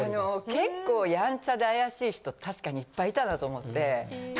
結構やんちゃで怪しい人確かにいっぱいいたなと思って。